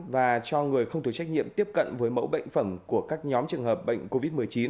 và cho người không thuộc trách nhiệm tiếp cận với mẫu bệnh phẩm của các nhóm trường hợp bệnh covid một mươi chín